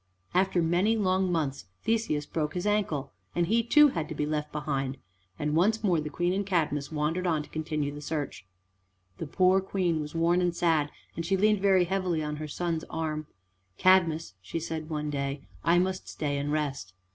After many long months Theseus broke his ankle, and he too had to be left behind, and once more the Queen and Cadmus wandered on to continue the search. The poor Queen was worn and sad, and she leaned very heavily on her son's arm. "Cadmus," she said one day, "I must stay and rest."